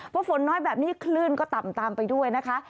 เพราะฝนน้อยแบบนี้คลื่นก็ต่ำตามไปด้วยนะคะ